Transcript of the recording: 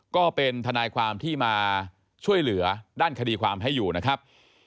ก็เป็นทนายความที่มาช่วยเหลือด้านคดีความให้อยู่นะครับ